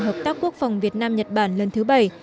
hợp tác quốc phòng việt nam nhật bản lần thứ bảy